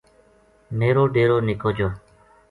میرو ڈیرو نِکو جو